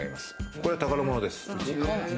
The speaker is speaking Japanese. これ宝物です。